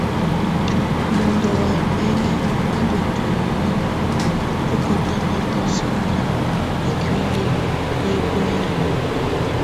Mɔndɔ wá ɛmɛŋɛ á ndù tuinyii tú kɔtakatɔ sɔmba ikuili yɛ bɔ̀áya.